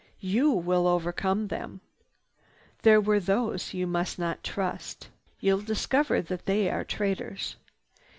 You will overcome them. There were those you must not trust. You will discover that they are traitors.